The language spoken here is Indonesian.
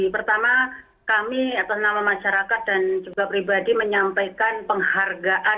pertama kami atas nama masyarakat dan juga pribadi menyampaikan penghargaan